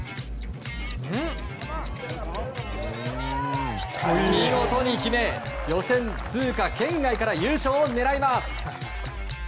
これを見事に決め予選通過圏外から優勝を狙います。